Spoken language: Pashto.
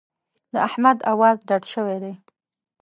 د احمد اواز ډډ شوی دی.